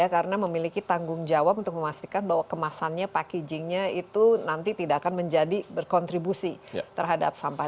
karena memiliki tanggung jawab untuk memastikan bahwa kemasannya packagingnya itu nanti tidak akan menjadi berkontribusi terhadap sampah